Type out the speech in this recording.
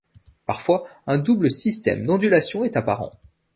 Parfois, un double système d'ondulations est apparent.